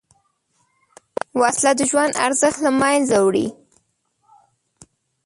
وسله د ژوند ارزښت له منځه وړي